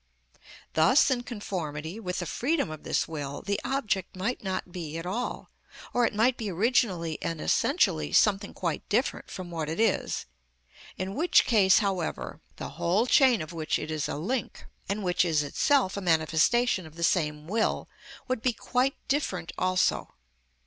Thus, in conformity with the freedom of this will, the object might not be at all, or it might be originally and essentially something quite different from what it is, in which case, however, the whole chain of which it is a link, and which is itself a manifestation of the same will, would be quite different also.